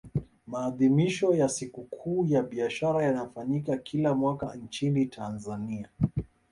maadhimisho ya sikukuu ya biashara yanafanyika kila mwaka nchini tanzania